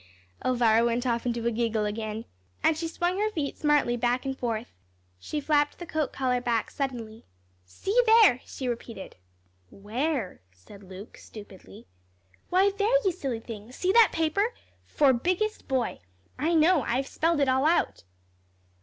Elvira went off into a giggle again. And she swung her feet smartly back and forth. "Why, see there, Luke Hansell!" She flapped the coat collar back suddenly. "See there!" she repeated. "Where?" said Luke, stupidly. "Why, there, you silly thing, see that paper! 'For Biggest Boy.' I know. I've spelled it all out."